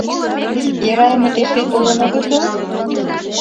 Эраймыт эше толын огытыл?